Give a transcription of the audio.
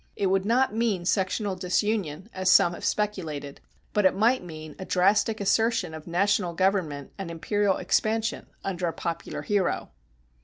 It would not mean sectional disunion, as some have speculated, but it might mean a drastic assertion of national government and imperial expansion under a popular hero.